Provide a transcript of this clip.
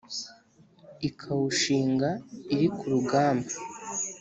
Ikawushinga iri ku rugamba.